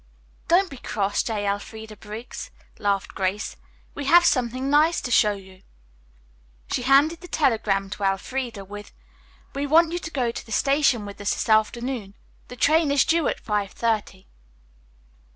"Don't be cross, J. Elfreda Briggs," laughed Grace. "We have something nice to show you." She handed the telegram to Elfreda with: "We want you to go to the station with us this afternoon. The train is due at five thirty."